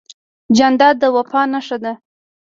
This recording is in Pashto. جانداد د وفا نښه ده.